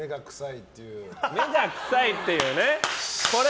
目が臭いっていう。